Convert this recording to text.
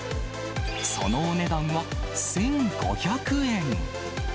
そのお値段は、１５００円。